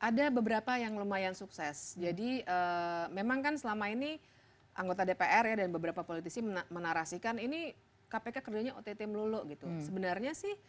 ada beberapa yang lumayan sukses jadi memang kan selama ini anggota dpr ya dan beberapa politisi menarasikan ini kpk kerjanya ott melulu gitu sebenarnya sih